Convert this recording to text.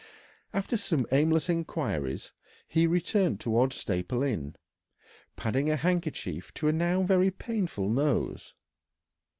After some aimless inquiries he returned towards Staple Inn, padding a handkerchief to a now very painful nose.